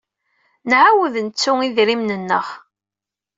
Nɛawed nettu idrimen-nneɣ.